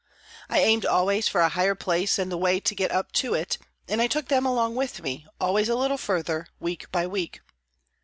I aimed always for a higher place and the way to get up to it, and I took them along with me, always a little further, week by week.